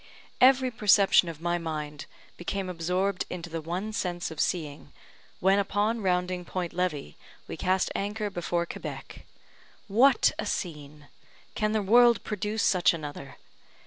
Every perception of my mind became absorbed into the one sense of seeing, when, upon rounding Point Levi, we cast anchor before Quebec. What a scene! Can the world produce such another?